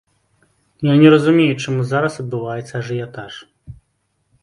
Я не разумею, чаму зараз адбываецца ажыятаж.